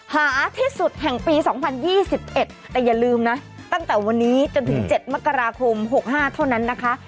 หาที่สุดแห่งปี๒๐๒๑แต่อย่าลืมนะตั้งแต่วันนี้จนถึง๗มกราคม๖๕เท่านั้นนะคะ